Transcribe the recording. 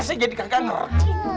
saya jadi kagak ngerti